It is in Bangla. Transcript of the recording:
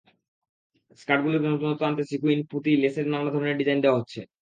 স্কার্টগুলোতে নতুনত্ব আনতে সিক্যুইন, পুঁতি, লেসের নানা ধরনের ডিজাইন দেওয়া হচ্ছে।